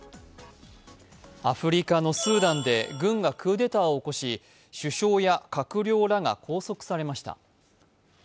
アフリカのスーダンで軍がクーデターを起こし首相や閣僚らが拘束されました。